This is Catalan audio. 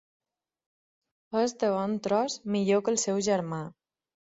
És de bon tros millor que el seu germà.